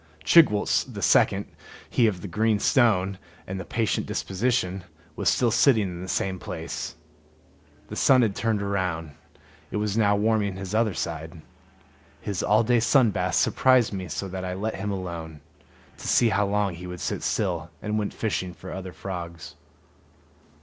Chigwooltz the second, he of the green stone and the patient disposition, was still sitting in the same place. The sun had turned round; it was now warming his other side. His all day sun bath surprised me so that I let him alone, to see how long he would sit still, and went fishing for other frogs.